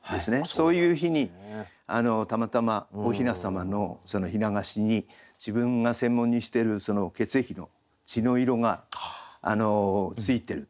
そういう日にたまたまお雛様の雛菓子に自分が専門にしてる血液の血の色がついてる。